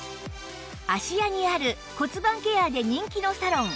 芦屋にある骨盤ケアで人気のサロン